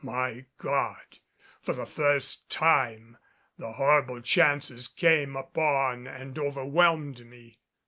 My God! For the first time the horrible chances came upon and overwhelmed me.